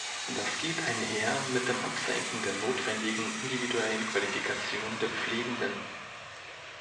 Das geht einher mit dem Absenken der notwendigen individuellen Qualifikation der Pflegenden.